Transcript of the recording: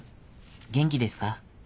元気ですか？